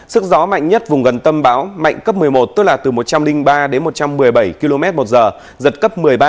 sức gió mạnh nhất vùng gần tâm bão mạnh cấp một mươi một tức là từ một trăm linh ba đến một trăm một mươi bảy km một giờ giật cấp một mươi ba